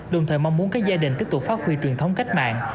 đồng thời mong muốn các gia đình tiếp tục phát huy truyền thống cách mạng